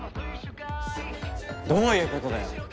どういうことだよ。